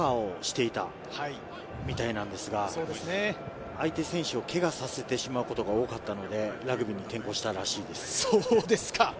幼い頃はサッカーをしていたみたいなんですが、相手選手をけがをさせてしまうことが多かったのでラグビーに転向したらしいです。